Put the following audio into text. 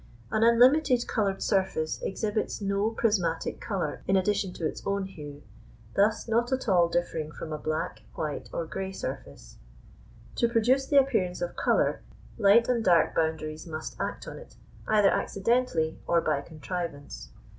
An unlimited coloured surface exhibits no prismatic colour in addition to its own hue, thus not at all differing from a black, white, or grey surface. To produce the appearance of colour, light and dark boundaries must act on it either accidentally or by contrivance.